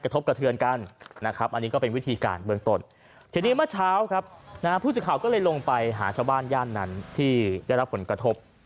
ทีนี้เมื่อเช้าครับพูดสิทธิ์ข่าวก็เลยลงไปหาชาวบ้านย่านนั้นที่ได้รับผลกระทบ